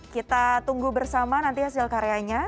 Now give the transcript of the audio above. kita tunggu bersama nanti hasil karyanya